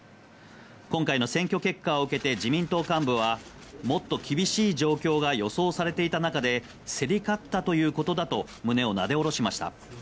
今回の選挙結果を受けて自民党幹部は、もっと厳しい状況が予想されていた中で競り勝ったということだと胸をなでおろしました。